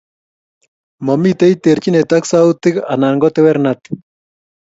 Momitei terchinet ak sautik anan ko tewernatet